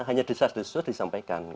hanya di sas sas disampaikan